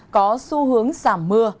có xu hướng giảm mưa